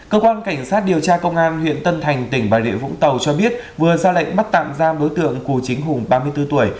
cơ quan cảnh sát điều tra công an huyện tân thành tỉnh bà địa vũng tàu cho biết vừa ra lệnh bắt tạm giam đối tượng cù chính hùng ba mươi bốn tuổi